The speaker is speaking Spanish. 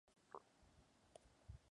Un recital en vivo, grabado en Alemania.